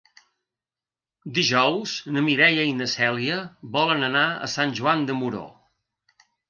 Dijous na Mireia i na Cèlia volen anar a Sant Joan de Moró.